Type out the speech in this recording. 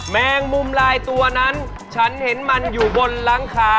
แมงมุมลายตัวนั้นฉันเห็นมันอยู่บนหลังคา